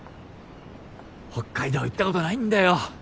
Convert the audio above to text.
北海道行ったことないんだよ。